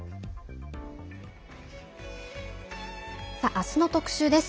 明日の特集です。